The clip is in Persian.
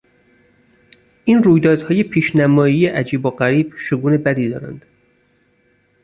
این رویدادهای پیشنمایی عجیب و غریب شگون بدی دارند.